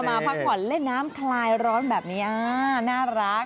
มาพักผ่อนเล่นน้ำคลายร้อนแบบนี้อ่าน่ารัก